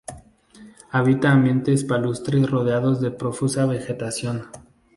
Habita ambientes palustres rodeados de profusa vegetación.